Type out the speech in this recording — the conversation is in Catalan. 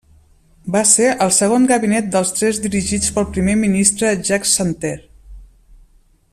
Va ser el segon gabinet dels tres dirigits pel primer ministre Jacques Santer.